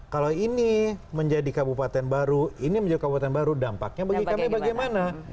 kalau ini menjadi kabupaten baru ini menjadi kabupaten baru dampaknya bagi kami bagaimana